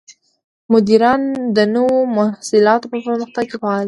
مدیران د نوو محصولاتو په پرمختګ کې فعال دي.